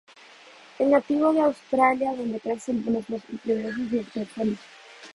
Es nativo de Australia, donde crece en los bosques lluviosos y esclerófilos.